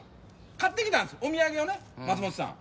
買ってきたんですお土産をね松本さん